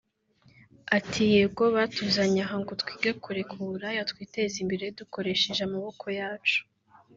Ati “Yego batuzanye aha ngo twige kureke uburaya twiteze imbere dukoresheje amaboko yacu